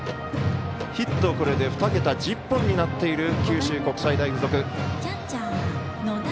ヒット、これで２桁１０本となっている九州国際大付属。